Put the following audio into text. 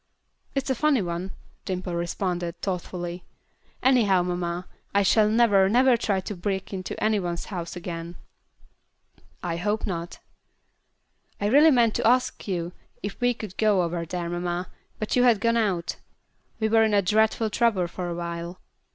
"It's a funny one," Dimple responded, thoughtfully. "Anyhow, mamma, I shall never, never try to break into any one's house again." "I hope not." "I really meant to ask you if we could go over there, mamma, but you had gone out. We were in a dreadful trouble for a while."